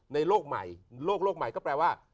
โลกใหม่โลกใหม่ก็แปลว่า